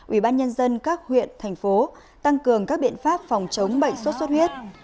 ubnd các huyện thành phố tăng cường các biện pháp phòng chống bệnh suốt suốt huyết